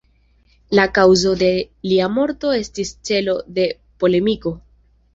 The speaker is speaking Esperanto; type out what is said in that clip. La kaŭzo de lia morto estis celo de polemiko.